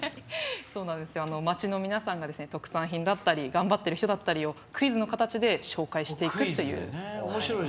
町の皆さんが、特産品だったり頑張ってる人だったりをクイズの形で紹介していくっていう。